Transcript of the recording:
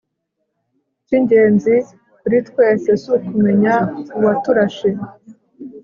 ikingenzi kuri twebwe si ukumenya uwaturashe